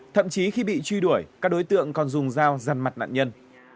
thậm chí khi bị truy đuổi các đối tượng còn dùng dao dằn mặt nạn nhân